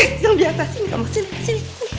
yes yang biasa sini sama sini